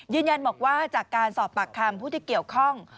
ยืนยันบอกว่าจากการสอบปากคำผู้ที่เกี่ยวข้อง